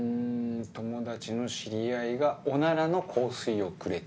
友達の知り合いがおならの香水をくれた？